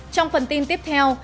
trong phần tin tiếp theo